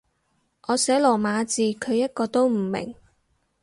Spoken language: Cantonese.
我寫羅馬字，佢一個都唔明